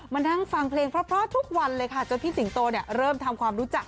มานั่งฟังเพลงเพราะทุกวันเลยค่ะจนพี่สิงโตเนี่ยเริ่มทำความรู้จัก